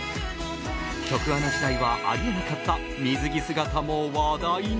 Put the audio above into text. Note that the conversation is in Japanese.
局アナ時代はあり得なかった水着姿も話題に。